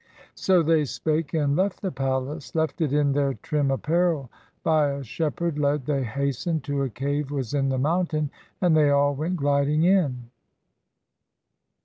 So they spake and left the palace, Left it in their trim apparel; By a shepherd led, they hastened To a cave was in the mountain, And they all went gliding in.